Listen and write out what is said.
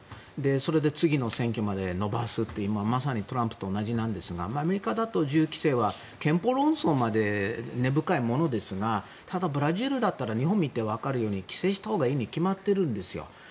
それで次の選挙まで延ばすというまさにトランプと同じなんですがアメリカだと銃規制は憲法論争まで根深いものですがただ、ブラジルだったら日本を見てわかるように規制したほうがいいに決まってるんですよ。